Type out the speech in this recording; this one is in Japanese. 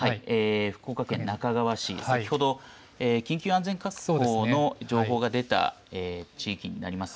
福岡県那珂川市、先ほど緊急安全確保の情報が出た地域になります。